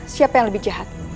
siapa yang lebih jahat